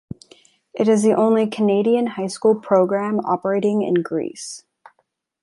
It is the only Canadian high school program operating in Greece.